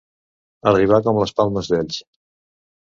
Arribar com les palmes d'Elx.